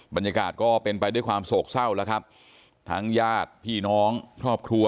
บรรยากาศก็เป็นไปด้วยความโศกเศร้าแล้วครับทั้งญาติพี่น้องครอบครัว